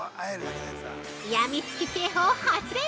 ◆病みつき警報発令！